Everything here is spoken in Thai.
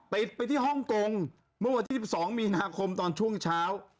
ไปที่ฮ่องกงเมื่อวันที่๑๒มีนาคมตอนช่วงเช้า